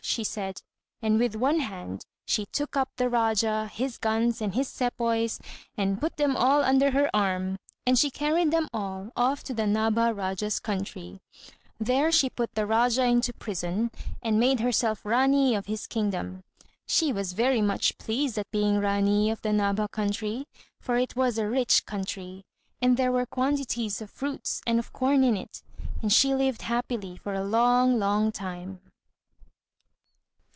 she said; and with one hand she took up the Rájá, his guns, and his sepoys, and put them all under her arm: and she carried them all off to the Nabha Rájá's country. There she put the Rájá into prison, and made herself Rání of his kingdom. She was very much pleased at being Rání of the Nabha country; for it was a rich country, and there were quantities of fruits and of corn in it. And she lived happily for a long, long time.